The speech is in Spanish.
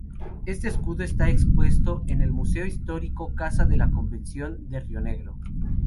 Este escudo está expuesto en el museo histórico casa de la convención de Rionegro.